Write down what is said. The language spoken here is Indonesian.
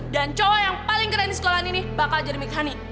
dan cowok yang paling keren di sekolah ini bakal jadi mikhani